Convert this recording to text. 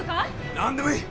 何でもいい！